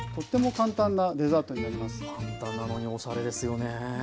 簡単なのにおしゃれですよね。